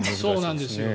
そうなんですよ。